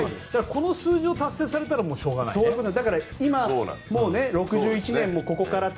この数字を達成されたらしょうがないよね。